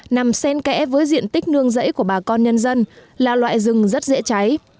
nằm sen kẽ với diện tích nương rẫy của bà con nhân dân là loại rừng rất dễ cháy